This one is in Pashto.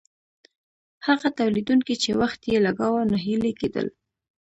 هغه تولیدونکي چې وخت یې لګاوه ناهیلي کیدل.